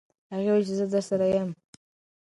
هغې وویل چې زه درسره یم.